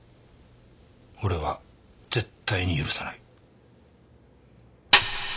俺は絶対に許さない。